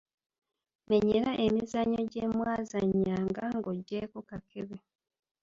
Menyera emizannyo gye mwazannyanga nga oggyeeko kakebe.